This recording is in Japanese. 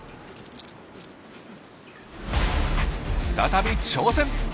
再び挑戦。